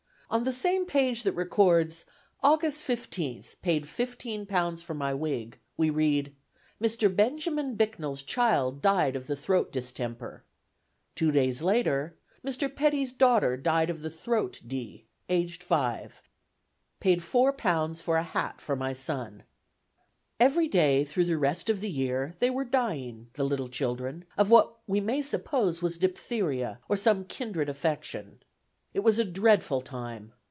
On the same page that records (August 15th) "P'd £15 for my wig," we read, "Mr. Benjamin Bicknells Child Died of the throat Distemper." Two days later: "Mr. Pettee's Daughter Died of the Throat D. aged 5. Paid £4 for a hat for my Son." Every day through the rest of the year they were dying, the little children, of what we may suppose was diphtheria, or some kindred affection. It was a dreadful time.